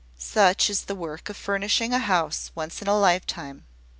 Such is the work of furnishing a house once in a lifetime.